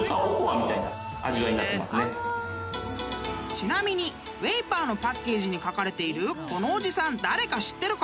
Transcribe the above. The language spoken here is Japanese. ［ちなみに味覇のパッケージに描かれているこのおじさん誰か知ってるか？］